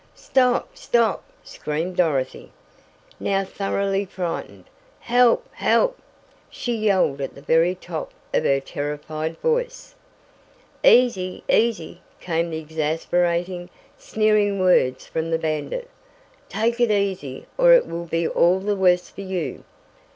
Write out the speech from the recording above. "Stop! Stop!" Screamed Dorothy, now thoroughly frightened. "Help! Help!" she yelled at the very top of her terrified voice. "Easy, easy," came the exasperating, sneering words from the bandit. "Take it easy or it will be all the worse for you.